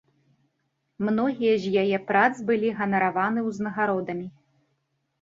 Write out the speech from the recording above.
Многія з яе прац былі ганараваны ўзнагародамі.